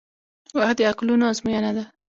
• وخت د عقلونو ازموینه ده.